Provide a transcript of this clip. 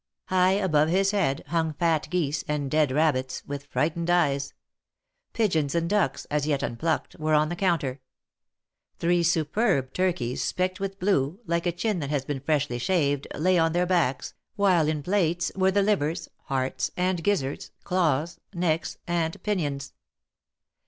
High above his head hung fat geese, and dead rabbits, with frightened eyes ; pigeons and ducks, as yet unplucked, were on the counter ; three superb turkeys, specked with blue, like a chin that has been freshly shaved, lay on their backs, while in plates were the livers, hearts, and gizzards, claws, necks and pinions.